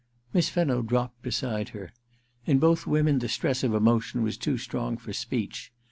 Miss Fenno dropped beside her. In both women the stress of emotion was too strong for speech.